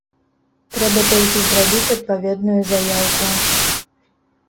Трэба толькі зрабіць адпаведную заяўку.